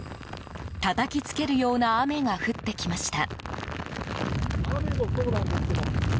たたきつけるような雨が降ってきました。